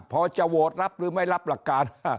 พอจะโหวตรับหรือไม่รับหลักการ